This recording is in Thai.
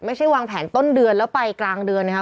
ไม่ใช่วางแผนต้นเดือนแล้วไปกลางเดือนนะครับ